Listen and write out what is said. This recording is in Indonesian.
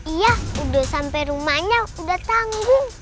iya udah sampai rumahnya udah tanggung